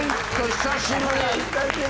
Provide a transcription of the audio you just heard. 久しぶり。